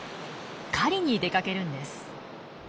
狩りに出かけるんです。